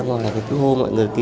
còn lại cứ hô mọi người kì